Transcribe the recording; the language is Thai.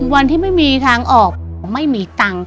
วันที่ไม่มีทางออกไม่มีตังค์